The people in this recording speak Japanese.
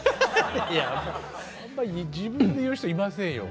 いやあんま自分で言う人いませんよ。